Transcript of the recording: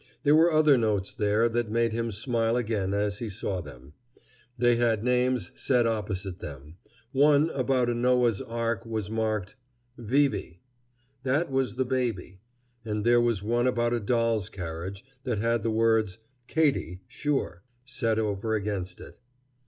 There were other notes there that made him smile again as he saw them. They had names set opposite them. One about a Noah's ark was marked "Vivi." That was the baby; and there was one about a doll's carriage that had the words "Katie, sure," set over against it.